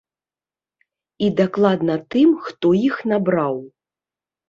І дакладна тым, хто іх набраў.